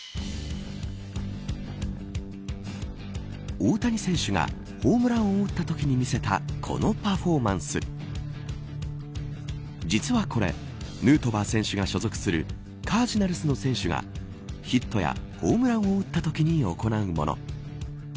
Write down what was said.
大谷選手がホームランを打ったときに見せたこのパフォーマンス実はこれヌートバー選手が所属するカージナルスの選手がヒットやホームランを打ったときに行うもの。